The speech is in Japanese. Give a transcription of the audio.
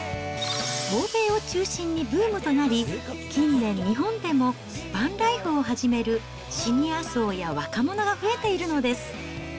欧米を中心にブームとなり、近年、日本でもバンライフを始めるシニア層や若者が増えているのです。